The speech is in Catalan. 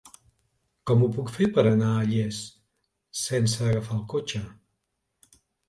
Com ho puc fer per anar a Llers sense agafar el cotxe?